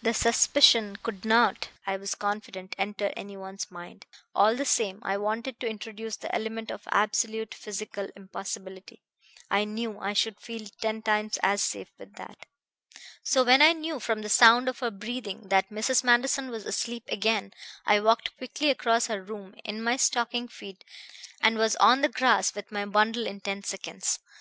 The suspicion could not, I was confident, enter any one's mind. All the same, I wanted to introduce the element of absolute physical impossibility; I knew I should feel ten times as safe with that. "So when I knew from the sound of her breathing that Mrs. Manderson was asleep again I walked quickly across her room in my stocking feet and was on the grass with my bundle in ten seconds.